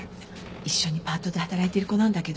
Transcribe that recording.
一緒にパートで働いてる子なんだけど。